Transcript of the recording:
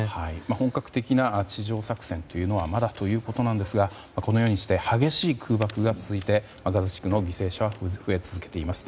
本格的な地上作戦というのはまだということですがこのようにして激しい空爆が続いてガザ地区の犠牲者は増え続けています。